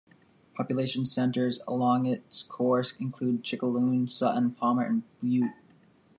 Population centers along its course include Chickaloon, Sutton, Palmer, and Butte.